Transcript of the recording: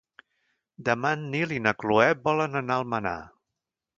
Demà en Nil i na Cloè volen anar a Almenar.